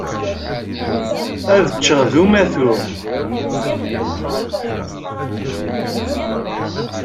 Ad ččeɣ d umatu.